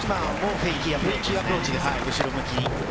フェイキーアプローチですか。